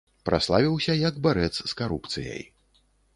Праславіўся як барэц з карупцыяй.